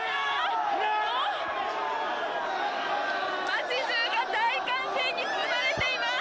街中が大歓声に包まれています！